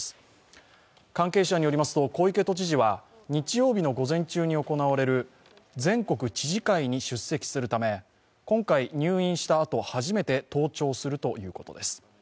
関係者によりますと小池都知事は日曜日の午前中に行われる全国知事会に出席するため今回、入院したあと初めて登庁するということです。